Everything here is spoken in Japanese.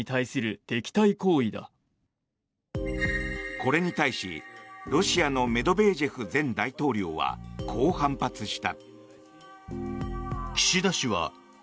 これに対し、ロシアのメドベージェフ前大統領はこう反発した。